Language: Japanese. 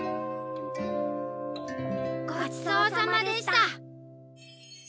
ごちそうさまでした。